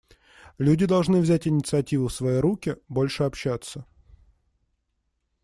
Люди должны взять инициативу в свои руки, больше общаться.